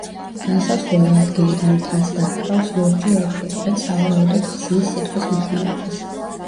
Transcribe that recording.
განსაზღვრული ადგილიდან მთას დაჰკრავს ლურჯი ელფერი, რაც სავარაუდოდ ხსნის სიტყვის მნიშვნელობას.